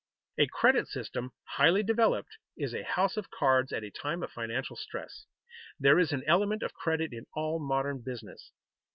A credit system, highly developed, is a house of cards at a time of financial stress. There is an element of credit in all modern business.